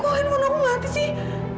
kok handphone aku mati sih